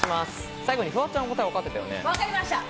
最後にフワちゃん答え分かってたよね。